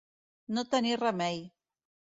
No tenir remei.